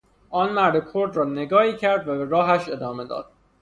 آن مرد کرد را نگاهی کرد و به راهش ادامه داد